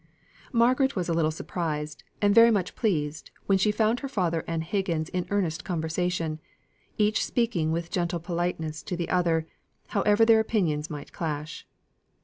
Margaret was a little surprised, and very much pleased, when she found her father and Higgins in earnest conversation each speaking with gentle politeness to the other, however their opinions might clash.